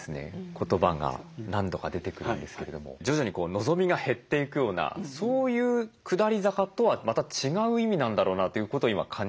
言葉が何度か出てくるんですけれども徐々に望みが減っていくようなそういう下り坂とはまた違う意味なんだろうなということを今感じているんですが。